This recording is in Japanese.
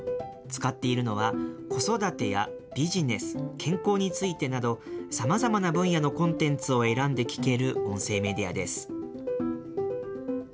使っているのは、子育てやビジネス、健康についてなど、さまざまな分野のコンテンツを選んで聞ける音声メディアです。